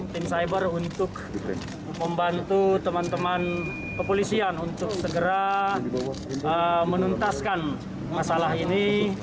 tim cyber untuk membantu teman teman kepolisian untuk segera menuntaskan masalah ini